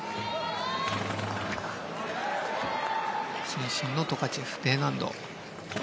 伸身のトカチェフＤ難度。